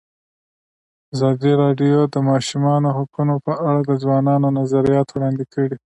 ازادي راډیو د د ماشومانو حقونه په اړه د ځوانانو نظریات وړاندې کړي.